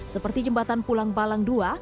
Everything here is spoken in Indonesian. seperti jembatan pulang balang ii